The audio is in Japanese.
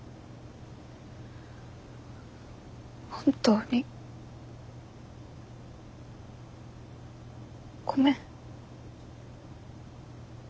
本当にごめん。